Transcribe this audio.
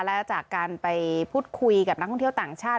และจากการไปพูดคุยกับนักท่องเที่ยวต่างชาติ